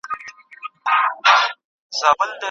ما هره ورځ د مطالعې لپاره يو ساعت بېل کړی دی.